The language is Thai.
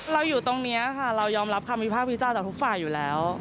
อยู่ตรงนี้ค่ะเรายอมรับคำวิพากษ์วิจารณ์จากทุกฝ่ายอยู่แล้ว